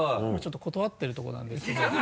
今ちょっと断ってるとこなんですけど。